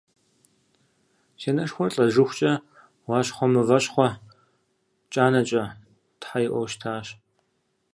Си анэшхуэр лӏэжыхукӏэ «Уащхъуэ мывэщхъуэ кӏанэкӏэ» тхьэ иӏуэу щытащ.